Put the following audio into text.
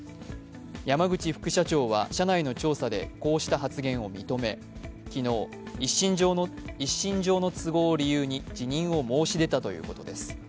山口副社長は社内の調査でこうした発言を認め昨日、一身上の都合を理由に辞任を申し出たということです。